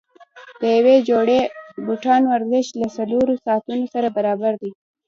د یوې جوړې بوټانو ارزښت له څلورو ساعتونو سره برابر دی.